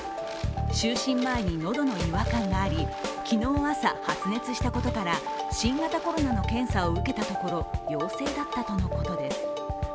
就寝前に喉の違和感があり昨日朝、発熱したことから新型コロナの検査を受けたところ陽性だったとのことです。